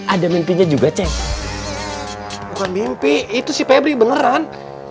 ada mimpinya juga ceng mimpi itu sih pebri beneran